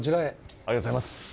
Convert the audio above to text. ありがとうございます。